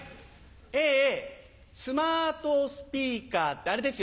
ええええスマートスピーカーってあれですよね。